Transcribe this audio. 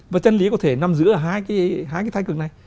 và chân lý có thể nằm giữa hai cái thách cường này